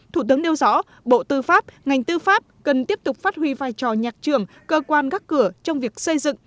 thủ tướng nêu rõ bộ tư pháp ngành tư pháp cần tiếp tục phát huy vai trò nhạc trường cơ quan gắt cửa trong việc xây dựng